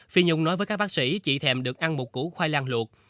phi nhung nói với các bác sĩ chị thèm được ăn một củ khoai lang luộc